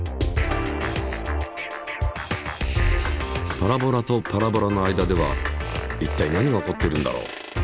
パラボラとパラボラの間ではいったい何がおこっているんだろう。